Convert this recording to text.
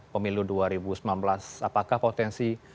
pemilu dua ribu sembilan belas apakah potensi